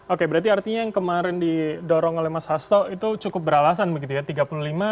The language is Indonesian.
oke berarti artinya yang kemarin didorong oleh mas hasto itu cukup beralasan begitu ya